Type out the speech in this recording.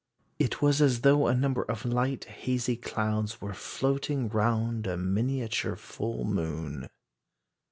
"It was as though a number of light, hazy clouds were floating round a miniature full moon."